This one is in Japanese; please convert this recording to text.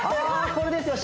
これですよ